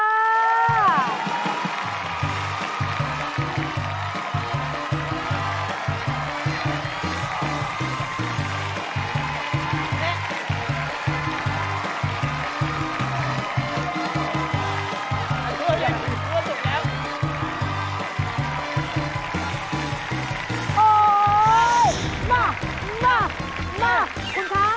อ้าวมากคุณคะ